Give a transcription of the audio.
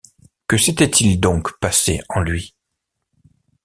Que s’était-il donc passé en lui?